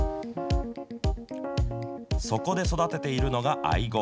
そこで育てているのが、アイゴ。